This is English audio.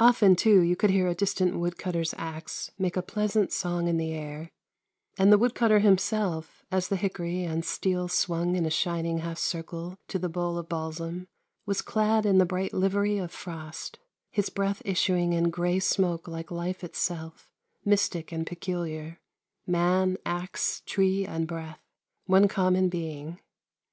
Often, too, you could hear a distant woodcutter's axe make a pleasant song in the air, and the wood cutter himself, as the hickory and steel swung in a shining half circle to the bole of balsam, was clad in the bright livery of frost, his breath issuing in gray smoke like life itself, mystic and peculiar, man, axe, tree, and breath, one common being.